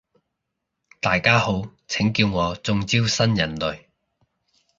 大家好，請叫我中招新人類